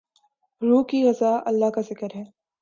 روح کی غذا اللہ کا ذکر ہے۔